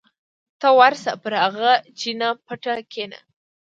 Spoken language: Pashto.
ته ورشه پر هغه چینه پټه کېنه.